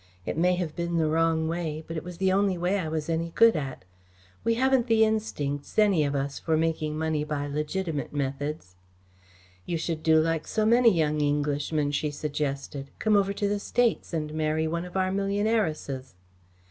It may have been the wrong way, but it was the only way I was any good at. We haven't the instincts, any of us, for making money by legitimate methods." "You should do like so many young Englishmen," she suggested. "Come over to the States and marry one of our millionairesses."